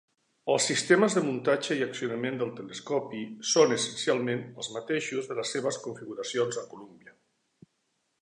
Els sistemes de muntatge i accionament del telescopi són essencialment els mateixos de les seves configuracions a Columbia.